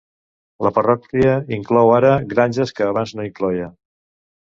La parròquia inclou ara granges que abans no incloïa.